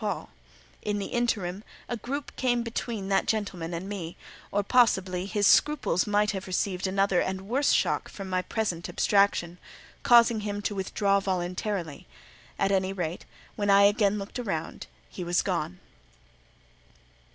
Paul; in the interim a group came between that gentleman and me; or possibly his scruples might have received another and worse shock from my present abstraction, causing him to withdraw voluntarily: at any rate, when I again looked round, he was gone.